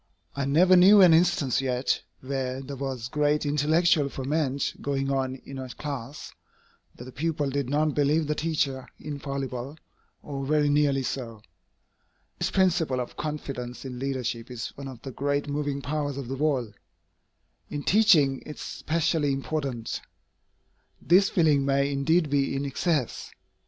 I never knew an instance yet, where there was great intellectual ferment going on in a class, that the pupils did not believe the teacher infallible, or very nearly so. This principle of confidence in leadership is one of the great moving powers of the world. In teaching, it is specially important. This feeling may indeed be in excess.